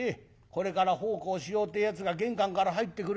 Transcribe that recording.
これから奉公しようってやつが玄関から入ってくるやつがあるか。